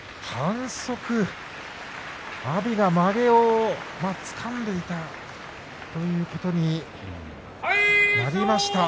阿炎がまげをつかんでいたということですね。